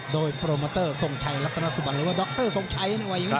โดยโปรโมเตอร์ทรงชัยรัตนสุบันหรือว่าดรทรงชัยว่าอย่างนี้